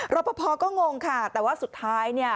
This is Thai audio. รอปภก็งงค่ะแต่ว่าสุดท้ายเนี่ย